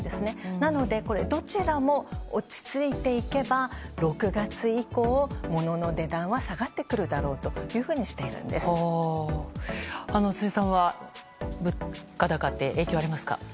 なのでどちらも落ち着いていけば６月以降、モノの値段は下がってくるだろうと辻さんは物価高って影響ありますか？